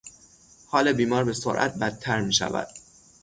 حال بیمار به سرعت بدتر میشود.